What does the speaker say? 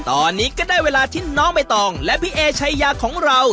ตอนนี้ก็ได้เวลาที่น้องใบตองและพี่เอชายาของเรา